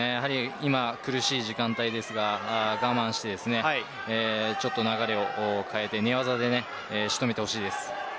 今は苦しい時間帯ですが我慢をして流れを変えて寝技で仕留めてほしいです。